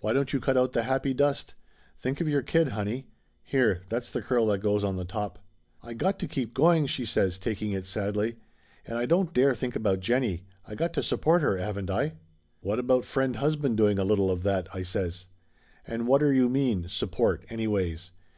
"Why don't you cut out the happy dust? Think of your kid, honey! Here that's the curl that goes on the top." "I got to keep going!" she says, taking it sadly. "And I don't dare think about Jennie. I got to support lier, haven't I?" "What about friend husband doing a little of that?" I says. "And whatter you mean, support, anyways?